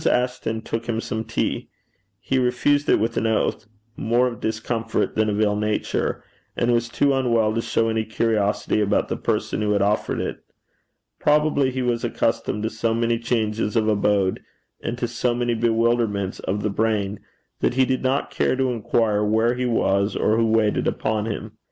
Ashton took him some tea. He refused it with an oath more of discomfort than of ill nature and was too unwell to show any curiosity about the person who had offered it. Probably he was accustomed to so many changes of abode, and to so many bewilderments of the brain, that he did not care to inquire where he was or who waited upon him.